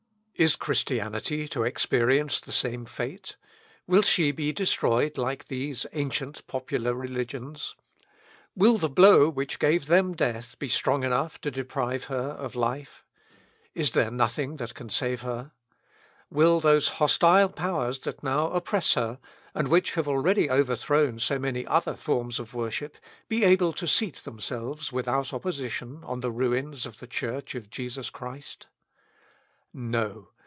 Is Christianity to experience the same fate? Will she be destroyed like these ancient popular religions? Will the blow which gave them death be strong enough to deprive her of life? Is there nothing that can save her? Will those hostile powers that now oppress her, and which have already overthrown so many other forms of worship, be able to seat themselves without opposition on the ruins of the Church of Jesus Christ? No!